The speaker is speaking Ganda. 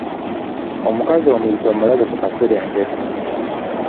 Omukazi omuzito omulabye ku kaserengeto?